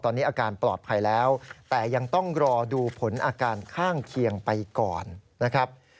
ตอนนี้อาการปลอดภัยแล้วแต่ยังต้องรอดูผลอาการข้างเคียงไปก่อนนะครับ